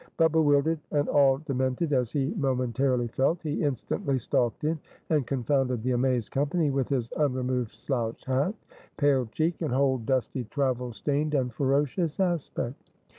But bewildered and all demented as he momentarily felt, he instantly stalked in, and confounded the amazed company with his unremoved slouched hat, pale cheek, and whole dusty, travel stained, and ferocious aspect.